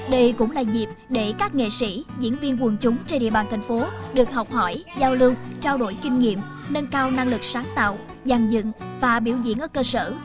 đây cũng là dịp để các nghệ sĩ diễn viên quần chúng trên địa bàn thành phố được học hỏi giao lưu trao đổi kinh nghiệm nâng cao năng lực sáng tạo dàn dựng và biểu diễn ở cơ sở